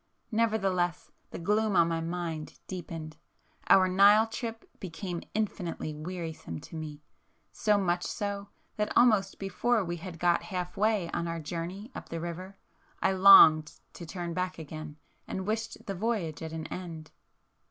Nevertheless the gloom on my mind deepened,—our Nile trip became infinitely wearisome to me, so much so, that almost before we had got half way on our journey up the river, I longed to turn back again and wished the voyage at an end.